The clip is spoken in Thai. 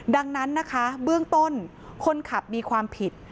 ดังนั้นนะคะเบื้องต้นคนขับมีความผิด